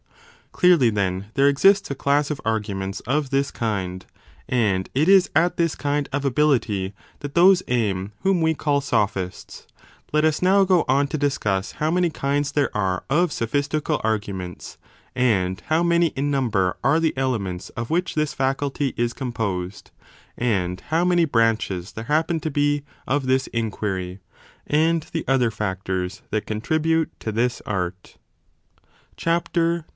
Clearly, then, there exists a class of arguments of this kind, and it is at this kind of ability that those aim whom we call sophists. Let us now go on to discuss how many kinds there are of sophistical arguments, and how many in 35 number are the elements of which this faculty is composed, and how many branches there happen to be of this inquiry, and the other factors that contribute to this art.